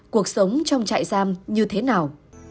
cuộc sống trong trại giam như thế nào